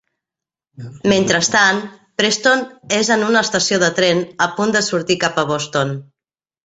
Mentrestant, Preston és en una estació de tren, a punt de sortir cap a Boston.